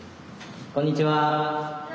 こんにちは！